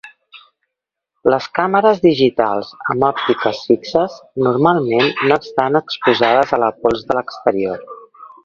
Les càmeres digitals amb òptiques fixes normalment no estan exposades a la pols de l'exterior.